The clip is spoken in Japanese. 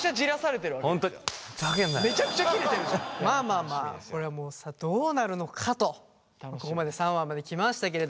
まあまあまあこれはもうさどうなるのかとここまで３話まで来ましたけれどもついに４話！